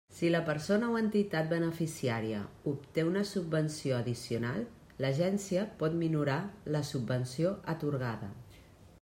Si la persona o entitat beneficiària obté una subvenció addicional, l'Agència pot minorar la subvenció atorgada.